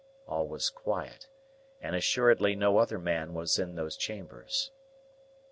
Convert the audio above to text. All was quiet, and assuredly no other man was in those chambers.